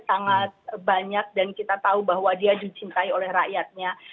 sangat banyak dan kita tahu bahwa dia dicintai oleh rakyatnya